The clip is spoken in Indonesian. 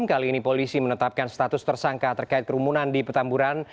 kali ini polisi menetapkan status tersangka terkait kerumunan di petamburan